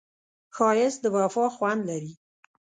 ښایست د وفا خوند لري